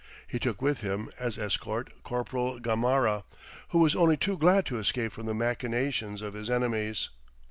He took with him as escort Corporal Gamarra, who was only too glad to escape from the machinations of his enemies.